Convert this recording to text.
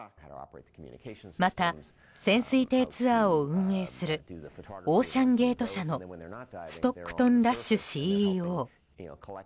また、潜水艇ツアーを運営するオーシャンゲート社のストックトン・ラッシュＣＥＯ。